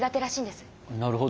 なるほど。